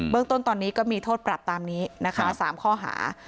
เรื่องต้นตอนนี้ก็มีโทษปรับตามนี้นะคะ๓ข้อหา